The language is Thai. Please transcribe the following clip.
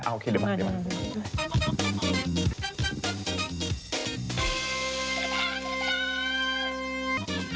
โอเคเดี๋ยวมา